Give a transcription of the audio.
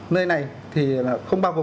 nơi này thì không bao gồm